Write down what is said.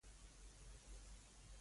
داسې تاند لکه د پنځه ویشت کلن ځوان.